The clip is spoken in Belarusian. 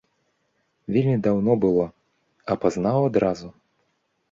Вельмі даўно было, а пазнаў адразу.